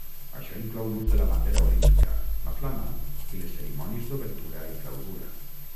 Això inclou l'ús de la bandera Olímpica, la flama, i les cerimònies d'obertura i clausura.